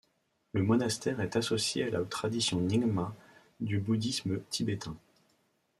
Le monastère est associé à la tradition nyingma du bouddhisme tibétain.